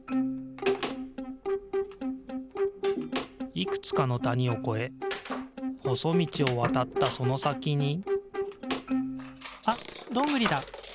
いくつかのたにをこえほそみちをわたったそのさきにあっドングリだ！